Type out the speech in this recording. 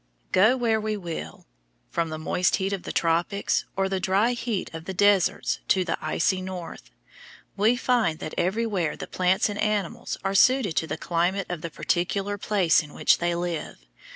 Go where we will, from the moist heat of the tropics or the dry heat of the deserts to the icy north, we find that everywhere the plants and animals are suited to the climate of the particular place in which they live.